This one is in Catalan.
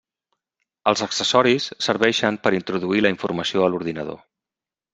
Els accessoris serveixen per introduir la informació a l'ordinador.